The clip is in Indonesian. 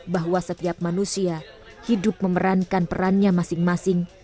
bahwa setiap manusia hidup memerankan perannya masing masing